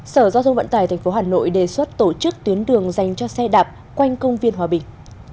sở giao thông vận tải tp hà nội đề xuất tổ chức tuyến đường dành cho xe đạp quanh công viên hòa bình